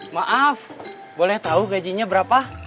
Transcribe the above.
maaf boleh tahu gajinya berapa